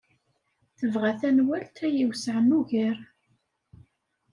Tebɣa tanwalt ay iwesɛen ugar.